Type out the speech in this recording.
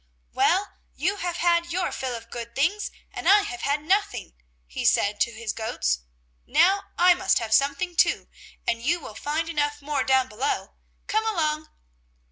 "Well, you have had your fill of good things, and I have had nothing," he said to his goats. "Now I must have something too, and you will find enough more down below. Come along!"